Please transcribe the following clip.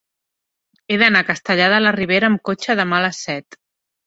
He d'anar a Castellar de la Ribera amb cotxe demà a les set.